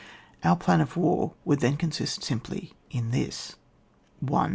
Our plan of war would then consist simply in this :— 92 OiT WAE.